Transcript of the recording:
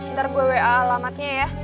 ntar gue wa alamatnya ya